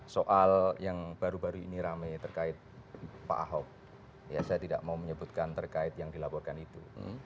soal yang baru baru ini rame terkait pak ahok ya saya tidak mau menyebutkan terkait yang dilaporkan itu